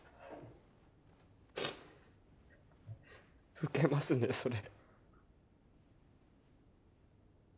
ウケますねそれ。